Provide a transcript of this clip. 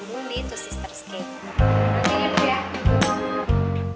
ini itu sister's cake